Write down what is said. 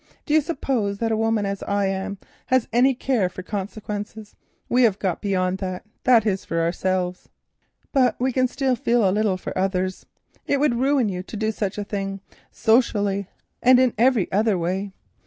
Do you suppose such women as I am have any care for consequences? We have got beyond that—that is, for ourselves. But we can still feel a little for others. It would ruin you to do such a thing, socially and in every other way.